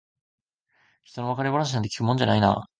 ひとの別れ話なんて聞くもんじゃないな。